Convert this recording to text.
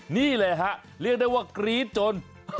นี่เลยฮะเรียกได้ว่ากรี๊ดจน